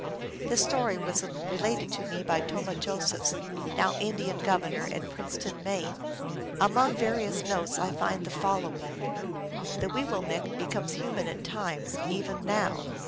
This story was related to me by Tomah Josephs, now Indian governor at Princeton, Maine. Among various notes I find the following :" The weewillmekq becomes human at times, even now."